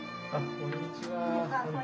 こんにちは。